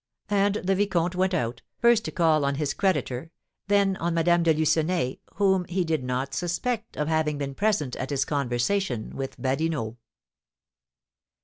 And the vicomte went out, first to call on his creditor, then on Madame de Lucenay, whom he did not suspect of having been present at his conversation with Badinot.